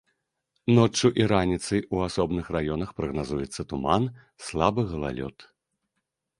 Ноччу і раніцай у асобных раёнах прагназуецца туман, слабы галалёд.